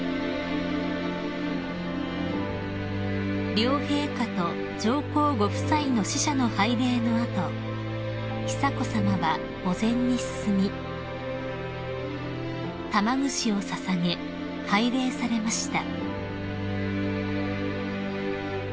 ［両陛下と上皇ご夫妻の使者の拝礼の後久子さまは墓前に進み玉串を捧げ拝礼されました］